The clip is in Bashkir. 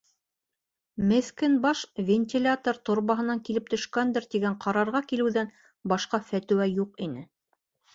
Меҫкен баш вентилятор торбаһынан килеп төшкәндер тигән ҡарарға килеүҙән башҡа фәтеүә юҡ ине.